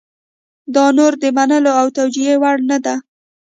دا نور د منلو او توجیه وړ نه ده.